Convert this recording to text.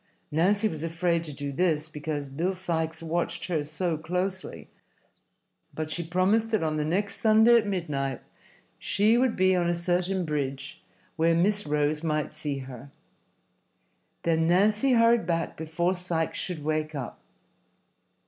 Nancy was afraid to do this, because Bill Sikes watched her so closely, but she promised that on the next Sunday at midnight she would be on a certain bridge where Miss Rose might see her. Then Nancy hurried back before Sikes should wake up.